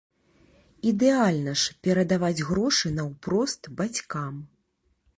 Ідэальна ж перадаваць грошы наўпрост бацькам.